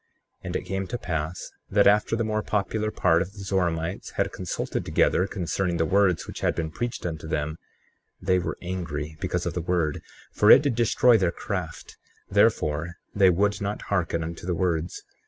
35:3 And it came to pass that after the more popular part of the Zoramites had consulted together concerning the words which had been preached unto them, they were angry because of the word, for it did destroy their craft; therefore they would not hearken unto the words.